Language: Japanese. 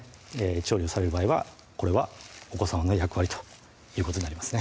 調理をされる場合はこれはお子さまの役割ということになりますね